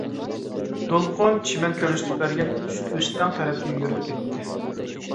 دولقۇن چىمەن كۆرسىتىپ بەرگەن ئۆستەڭ تەرەپكە يۈرۈپ كەتتى.